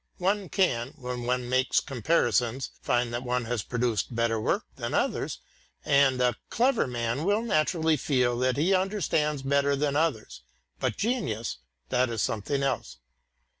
One can, when one makes comparisons, find that one has produced better work than others, and a clever man will naturally feel that he understands better than others, but genius, that is something else.